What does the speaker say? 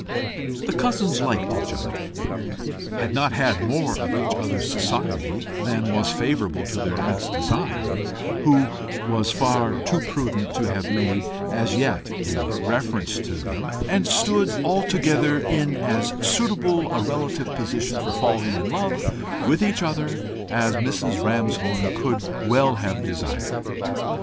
The cousins liked each other, had not had more of each other's society than was favourable to their aunt's designs, who was far too prudent to have made as yet any reference to them, and stood altogether in as suitable a relative position for falling in love with each other as Mrs. Ramshorn could well have desired.